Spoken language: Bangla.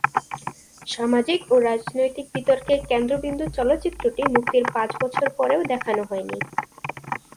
সামাজিক ও রাজনৈতিক বিতর্কের কেন্দ্রবিন্দু চলচ্চিত্রটি মুক্তির পাঁচ বছর পরেও দেখানো হয়নি।